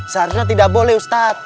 seharusnya tidak boleh ustadz